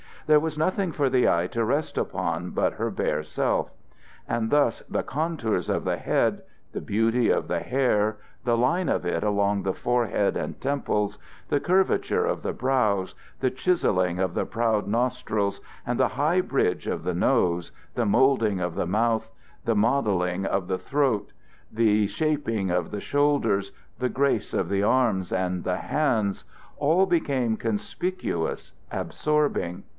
There was nothing for the eye to rest upon but her bare self. And thus the contours of the head, the beauty of the hair, the line of it along the forehead and temples, the curvature of the brows, the chiseling of the proud nostrils and the high bridge of the nose, the molding of the mouth, the modeling of the throat, the shaping of the shoulders, the grace of the arms and the hands all became conspicuous, absorbing.